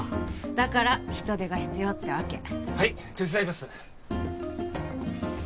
だから人手が必要ってわけはい手伝います